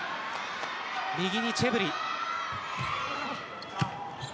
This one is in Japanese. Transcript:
右にチェブリ。